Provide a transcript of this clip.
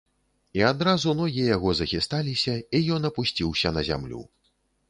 І адразу ногі яго захісталіся, і ён апусціўся на зямлю.